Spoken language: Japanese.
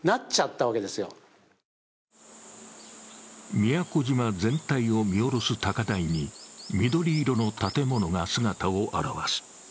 宮古島全体を見下ろす高台に緑色の建物が姿を現す。